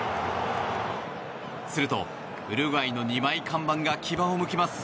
するとウルグアイの２枚看板が牙をむきます。